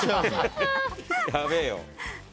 やべえよ。